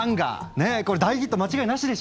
ねえこれ大ヒット間違いなしでしょ。